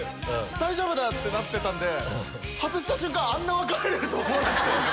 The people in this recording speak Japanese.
大丈夫だ！ってなってたんで外した瞬間あんな分かられると思わなくて。